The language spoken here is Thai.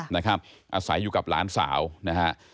นะครับอาศัยอยู่กับหลานสาวนะฮะ